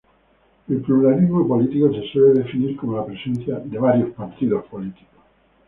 El pluralismo político se suele definir como la presencia de varios partidos políticos.